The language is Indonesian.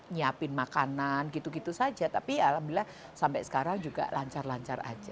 nyiapin makanan gitu gitu saja tapi alhamdulillah sampai sekarang juga lancar lancar aja